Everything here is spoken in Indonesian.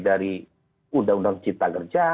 dari undang undang cipta kerja